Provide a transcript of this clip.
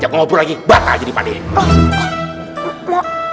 cbapu lagi bakal jadi pakarta